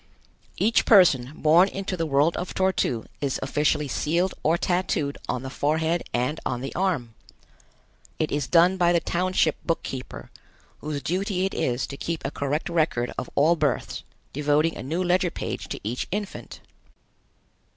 Each person born into the world of Tor tu is officially sealed or tattooed on the forehead and on the arm. It is done by the township book keeper, whose duty it is to keep a correct record of all births, devoting a new ledger page to each infant.